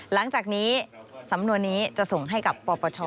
หลังจากนี้สำนวนนี้จะส่งให้กับปปช